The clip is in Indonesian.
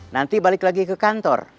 nanti balik lagi ke kantor